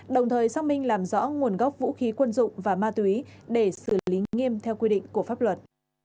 đồng thời xác minh làm rõ nguồn gốc vũ khí quân dụng và ma túy để xử lý nghiêm theo quy định của pháp luật